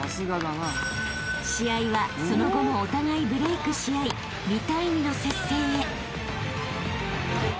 ［試合はその後もお互いブレイクし合い２対２の接戦へ］